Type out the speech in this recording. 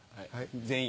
・全員？